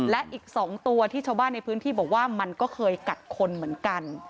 และอีก๒ตัวที่ชาวบ้านในพื้นที่บอกว่ามันก็เคยกัดคนเหมือนกัน